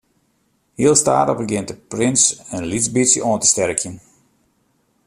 Heel stadich begjint de prins in lyts bytsje oan te sterkjen.